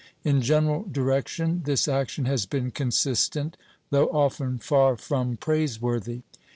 In general direction this action has been consistent, though often far from praiseworthy.